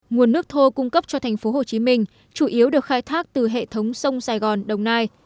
nguồn nước thô cung cấp cho tp hcm chủ yếu được khai thác từ hệ thống sông sài gòn đồng nai